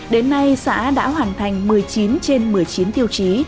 đến nay xã đã hoàn thành một mươi chín trên một mươi chín tiêu chí